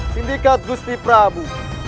sindikat gusti prabu